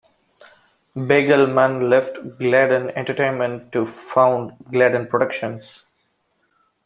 Begelman left Gladden Entertainment to found Gladden Productions.